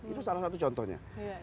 itu salah satu contohnya